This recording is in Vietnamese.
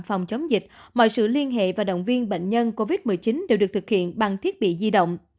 phòng chống dịch mọi sự liên hệ và động viên bệnh nhân covid một mươi chín đều được thực hiện bằng thiết bị di động